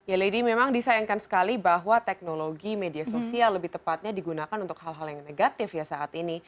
ya lady memang disayangkan sekali bahwa teknologi media sosial lebih tepatnya digunakan untuk hal hal yang negatif ya saat ini